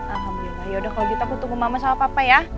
alhamdulillah yaudah kalau gitu aku tunggu mama sama papa ya